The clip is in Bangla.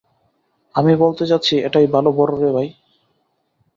আমি বলতে চাচ্ছি এটা ভালোই বড় রে ভাই।